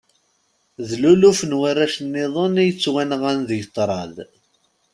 D luluf n warrac-nniḍen i yettwanɣan deg tṛad.